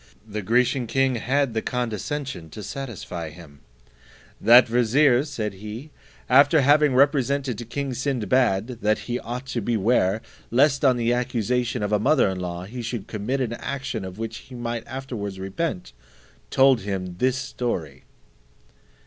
The Grecian king had the condescension to satisfy him: "That vizier," said he, "after having represented to king Sinbad, that he ought to beware, lest on the accusation of a mother in law he should commit an action of which he might afterwards repent, told him this story."